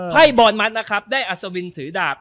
ให้บอร์ดมัสนะครับได้อัศวินถือดาบ